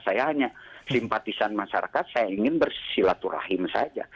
saya hanya simpatisan masyarakat saya ingin bersilaturahim saja